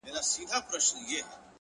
هره هڅه راتلونکی پیاوړی کوي